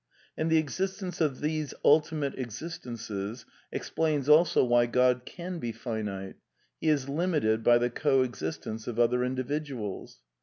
And the exist ence of these ultimate existences explains also why God can be finite; He is limited by the co existence of other individuals.